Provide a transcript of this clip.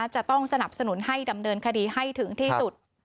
จะต้องสนับสนุนให้ดำเนินคดีให้ถึงที่สุด